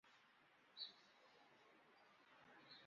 Vareʼágui térã tyguatãgui.